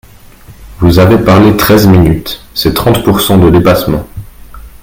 Vous avez parlé treize minutes, c’est trente pourcent de dépassement